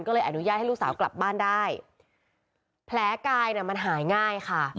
ก็เลยอนุญาตให้ลูกสาวกลับบ้านได้แผลกายเนี่ยมันหายง่ายค่ะ